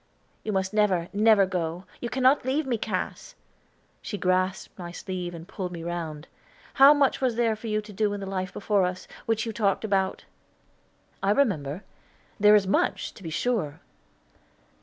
'" "You must never, never go. You cannot leave me, Cass!" She grasped my sleeve, and pulled me round. "How much was there for you to do in the life before us, which you talked about?" "I remember. There is much, to be sure."